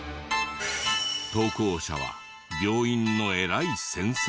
投稿者は病院の偉い先生。